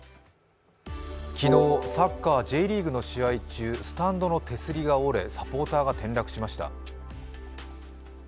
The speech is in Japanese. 昨日、サッカーＪリーグの試合中、スタンドの手すりが折れサポーターが転落しました。